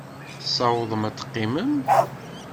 Tessawḍem ad teqqimem?